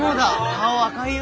顔赤いよ？